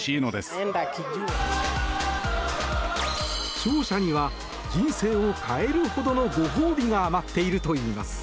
勝者には人生を変えるほどのご褒美が待っているといいます。